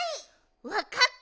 わかった！